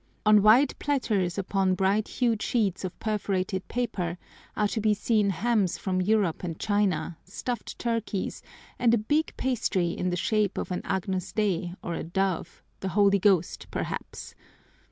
On wide platters upon bright hued sheets of perforated paper are to be seen hams from Europe and China, stuffed turkeys, and a big pastry in the shape of an Agnus Dei or a dove, the Holy Ghost perhaps.